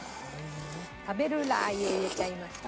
食べるラー油入れちゃいました。